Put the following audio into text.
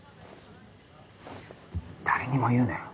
誰にも言うなよ。